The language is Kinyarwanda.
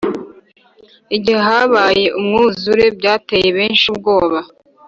igihe habaye umwuzure byateye benshi ubwoba